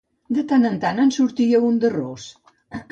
De tant en tant en sortia un de ros.